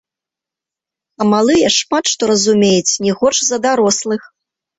А малыя шмат што разумеюць не горш за дарослых.